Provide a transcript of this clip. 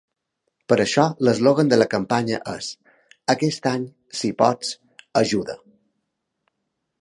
Per això l’eslògan de la campanya és “Aquest any, si pots, ajuda”.